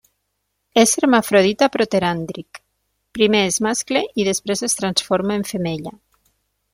És hermafrodita proteràndric: primer és mascle i després es transforma en femella.